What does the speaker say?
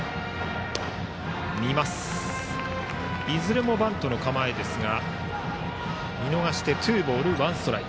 いずれもバントの構えですが見逃してツーボールワンストライク。